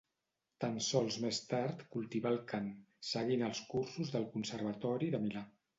Tan sols més tard cultivà el cant, seguint els cursos del Conservatori de Milà.